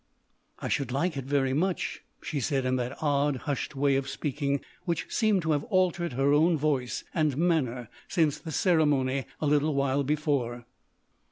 "I should like it very much," she said in that odd, hushed way of speaking, which seemed to have altered her own voice and manner since the ceremony a little while before.